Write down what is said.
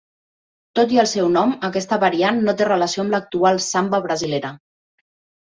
Tot i el seu nom, aquesta variant no té relació amb l'actual samba brasilera.